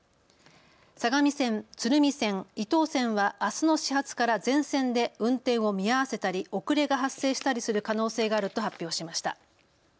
相模線、鶴見線、伊東線はあすの始発から全線で運転を見合わせたり遅れが発生したりする可能性があると発表しました。